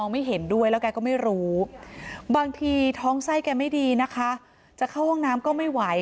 ไม่ดีนะคะจะเข้าห้องน้ำก็ไม่ไหว